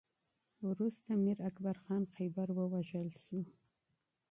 وروسته میر اکبر خیبر ووژل شو.